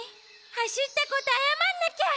はしったことあやまんなきゃ！